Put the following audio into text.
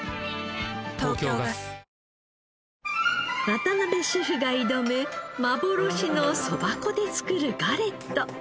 渡邊シェフが挑む幻のそば粉で作るガレット。